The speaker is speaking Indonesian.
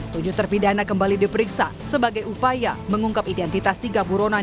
tujuh terpidana kembali diperiksa sebagai upaya mengungkap identitas tiga buronan